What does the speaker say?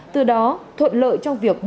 từ đó thuận lợi trong việc mua đất